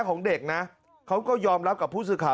ของเด็กนะเขาก็ยอมรับกากผู้ศึกษา